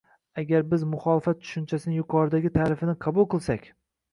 Agar biz “muxolifat” tushunchasining yuqoridagi ta’rifni qabul qilsak